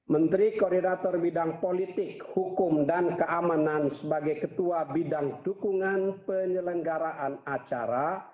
menteri koordinator bidang politik hukum dan keamanan sebagai ketua bidang dukungan penyelenggaraan acara